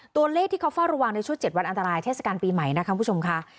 ตัวเลขที่เขาเฝ้าระวังในช่วง๗วันอันตรายเทศกาลปีใหม่นะคะคุณผู้ชมค่ะ